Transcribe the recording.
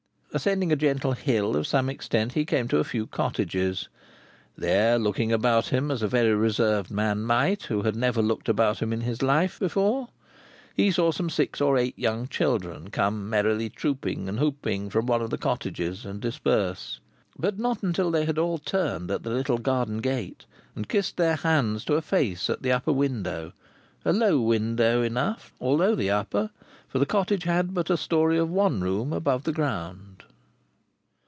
Ascending a gentle hill of some extent, he came to a few cottages. There, looking about him as a very reserved man might who had never looked about him in his life before, he saw some six or eight young children come merrily trooping and whooping from one of the cottages, and disperse. But not until they had all turned at the little garden gate, and kissed their hands to a face at the upper window: a low window enough, although the upper, for the cottage had but a story of one room above the ground.